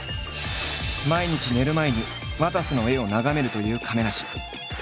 毎日寝る前にわたせの絵を眺めるという亀梨。